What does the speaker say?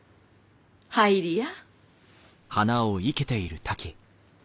入りや。